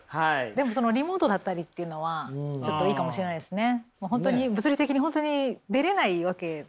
でもそのリモートだったりっていうのはちょっといいかもしれないですね。